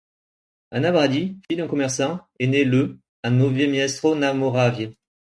Hanna Brady, fille d’un commerçant, est née le à Nové Město na Moravě.